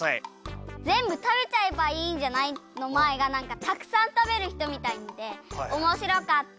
「ぜんぶたべちゃえばいいんじゃない」のまえがなんかたくさんたべるひとみたいでおもしろかった。